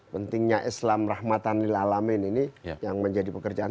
pentingnya islam rahmatan lillah alamin ini yang menjadi pekerjaan